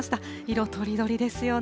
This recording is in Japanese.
色とりどりですよね。